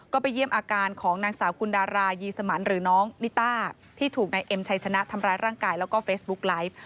ก็ไปเยี่ยมอาการของนางสาวกุลดารายีสมันหรือน้องนิต้าที่ถูกนายเอ็มชัยชนะทำร้ายร่างกายแล้วก็เฟซบุ๊กไลฟ์